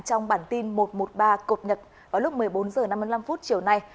trong bản tin một trăm một mươi ba cập nhật vào lúc một mươi bốn h năm mươi năm chiều nay